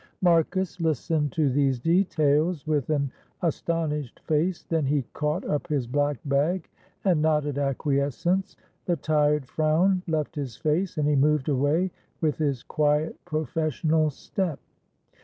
Marcus listened to these details with an astonished face; then he caught up his black bag and nodded acquiescence. The tired frown left his face, and he moved away with his quiet, professional step.